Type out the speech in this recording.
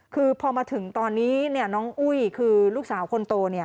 คือพอมาถึงตอนนี้น้องอุ้ยคือลูกสาวคนโต